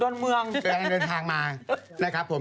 อ้อนเมืองโอ๊ยมันเดินทางมานะครับผม